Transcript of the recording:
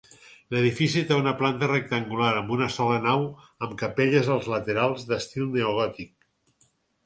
L'edifici té una planta rectangular, amb una sola nau amb capelles als laterals, d'estil neogòtic.